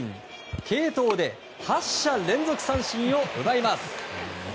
継投で８者連続三振を奪います。